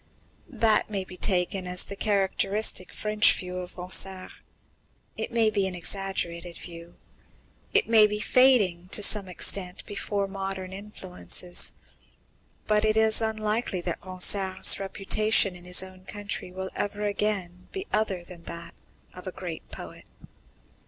That may be taken as the characteristic French view of Ronsard. It may be an exaggerated view. It may be fading to some extent before modern influences. But it is unlikely that Ronsard's reputation in his own country will ever again be other than that of a great poet.